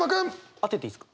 当てていいっすか？